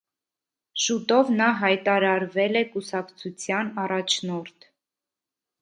Շուտով նա հայտարարվել է կուսակցության առաջնորդ։